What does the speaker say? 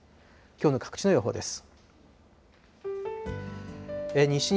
きょうの各地の予報です。